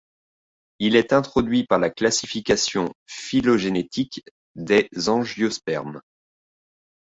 Il est introduit par la classification phylogénétique des angiospermes.